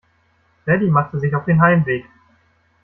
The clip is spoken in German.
Freddie machte sich auf den Heimweg.